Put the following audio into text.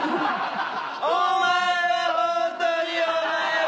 お前はホントにお前は！